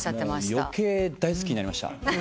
よけい大好きになりました。